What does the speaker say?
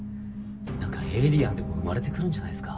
なんかエイリアンでも生まれてくるんじゃないっすか？